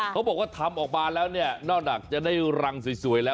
เขาบอกว่าทำออกมาแล้วเนี่ยนอกจากจะได้รังสวยแล้ว